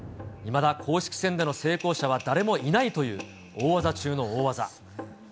いまだ公式戦での成功者は誰もいないという大技中の大技。